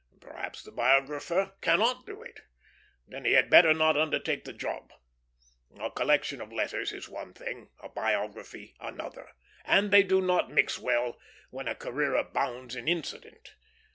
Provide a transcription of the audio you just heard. Perhaps the biographer cannot do it. Then he had better not undertake the job. A collection of letters is one thing, a biography another; and they do not mix well when a career abounds in incident.